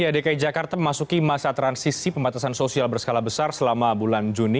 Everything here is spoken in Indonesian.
dki jakarta memasuki masa transisi pembatasan sosial berskala besar selama bulan juni